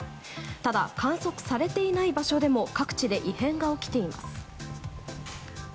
ただ、観測されていない場所でも各地で異変が起きています。